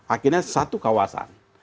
akhirnya satu kawasan